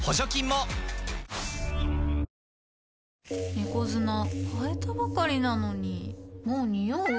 猫砂替えたばかりなのにもうニオう？